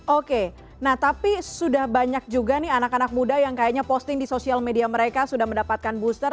oke nah tapi sudah banyak juga nih anak anak muda yang kayaknya posting di sosial media mereka sudah mendapatkan booster